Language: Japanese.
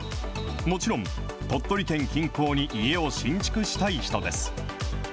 もちろん、鳥取県近郊に家を新築したい人です。